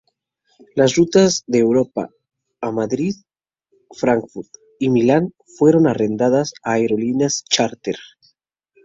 Las rutas de Europa a Madrid, Frankfurt y Milán fueron arrendadas a aerolíneas chárter.